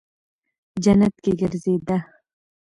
جنت کې گرځېده.